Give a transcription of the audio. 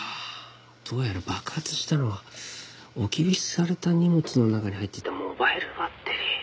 どうやら爆発したのは置き引きされた荷物の中に入っていたモバイルバッテリー。